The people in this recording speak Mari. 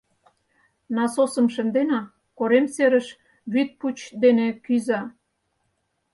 — Насосым шындена, корем серыш вӱд пуч дене кӱза.